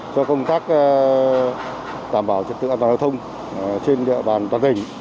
cho công tác đảm bảo trật tự an toàn giao thông trên địa bàn toàn tỉnh